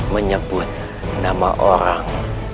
menyebut nama orang